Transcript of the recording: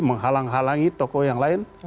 menghalang halangi tokoh yang lain